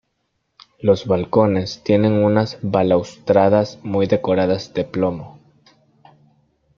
Los balcones tienen unas balaustradas muy decoradas de plomo.